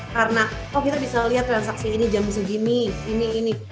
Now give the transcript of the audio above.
karena oh kita bisa lihat transaksi ini jam segini ini ini